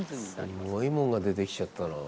すごいものが出てきちゃったなあ。